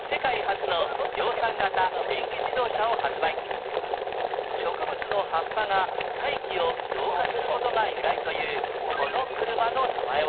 １３年前植物の葉っぱが大気を浄化する事が由来というこの車の名前は？